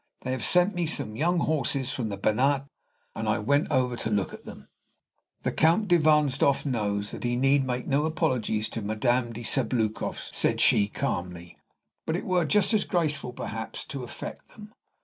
They have sent me some young horses from the Banat, and I went over to look at them." "The Count de Wahnsdorf knows that he need make no apologies to Madame de Sabloukoff," said she, calmly; "but it were just as graceful, perhaps, to affect them.